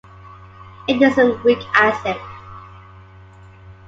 It is a weak acid.